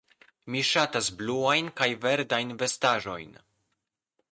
Mi ŝatas bluajn kaj verdajn vestaĵojn.